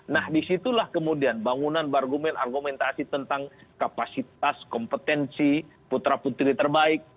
nah disitulah kemudian bangunan argumen argumentasi tentang kapasitas kompetensi putra putri terbaik